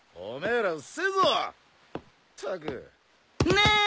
ねえ？